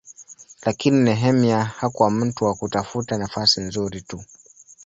Lakini Nehemia hakuwa mtu wa kutafuta nafasi nzuri tu.